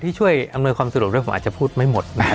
ที่ช่วยอำนวยความสะดวกด้วยผมอาจจะพูดไม่หมดนะครับ